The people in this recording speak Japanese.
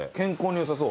よさそう。